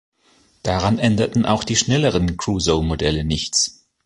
Daran änderten auch die schnelleren Crusoe-Modelle nichts.